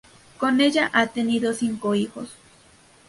Con ella ha tenido cinco hijos.